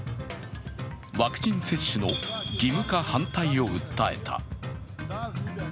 ワクチン接種の義務化反対を訴えた。